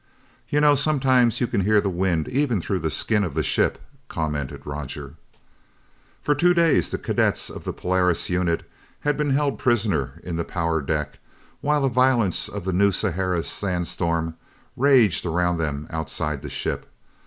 "You know, sometimes you can hear the wind even through the skin of the ship," commented Roger. For two days the cadets of the Polaris unit had been held prisoner in the power deck while the violence of the New Sahara sandstorm raged around them outside the ship.